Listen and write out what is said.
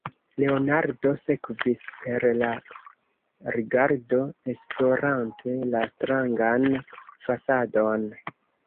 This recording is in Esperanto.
Leonardo sekvis, per la rigardo esplorante la strangan fasadon.